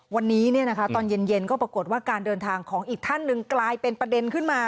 วันนี้ตอนเย็นก็ปรากฏว่าการเดินทางของอีกท่านหนึ่งกลายเป็นประเด็นขึ้นมา